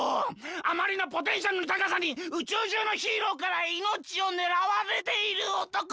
あまりのポテンシャルのたかさにうちゅうじゅうのヒーローからいのちをねらわれているおとこ！